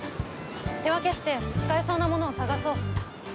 手分けして使えそうなものを探そう。